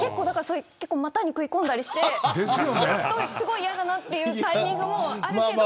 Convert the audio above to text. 結構、股に食い込んだりして嫌だなというタイミングもあるけど。